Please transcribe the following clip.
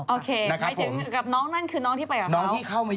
โอเคหมายถึงกับน้องนั่นคือน้องที่ไปกับน้อง